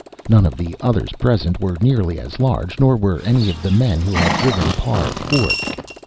None of the others present were nearly as large, nor were any of the men who had driven Parr forth.